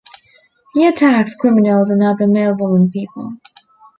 He attacks criminals and other malevolent people.